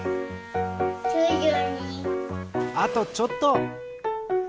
あとちょっと！